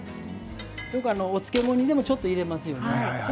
よく漬物にもちょっと入れますよね。